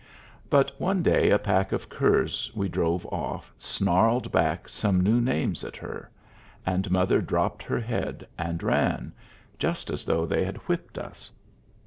But one day a pack of curs we drove off snarled back some new names at her, and mother dropped her head and ran, just as though they had whipped us.